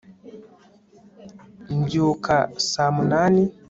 mbyuka saa munani